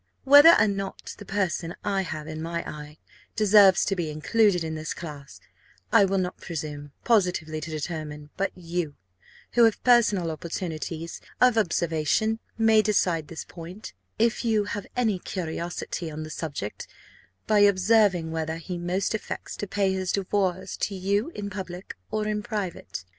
Whether or not the person I have in my eye deserves to be included in this class, I will not presume positively to determine; but you, who have personal opportunities of observation, may decide this point (if you have any curiosity on the subject) by observing whether he most affects to pay his devoirs to you in public or in private.